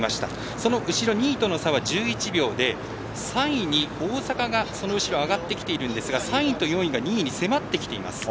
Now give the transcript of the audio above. その後ろ、２位との差は１１秒で３位に、大阪がその後ろ上がってきていますが３位と４位が２位に迫ってきています。